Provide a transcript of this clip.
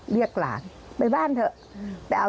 เรียกหลานไปบ้านเถอะ